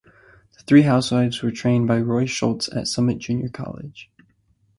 The three housewives were trained by Roy Schultz at Summit Junior College.